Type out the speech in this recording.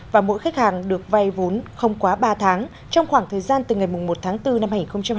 và mỗi khách hàng được vay vốn không quá ba tháng trong khoảng thời gian từ ngày một tháng bốn năm hai nghìn hai mươi